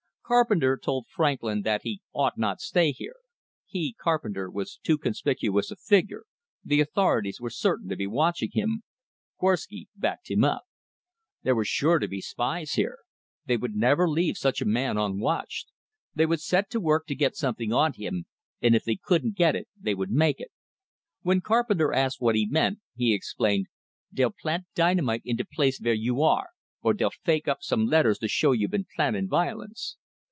Carpenter told Franklin that he ought not stay here; he, Carpenter, was too conspicuous a figure, the authorities were certain to be watching him. Korwsky backed him up. There were sure to be spies here! They would never leave such a man unwatched. They would set to work to get something on him, and if they couldn't get it they would make it. When Carpenter asked what he meant, he explained, "Dey'll plant dynamite in de place vere you are, or dey'll fake up some letters to show you been plannin' violence."